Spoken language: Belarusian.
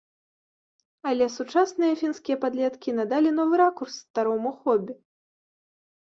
Але сучасныя фінскія падлеткі надалі новы ракурс старому хобі.